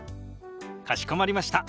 かしこまりました。